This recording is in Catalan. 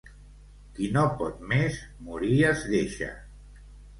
Qui no pot més, morir es deixa.